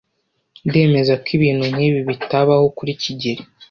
Ndemeza ko ibintu nkibi bitabaho kuri kigeli.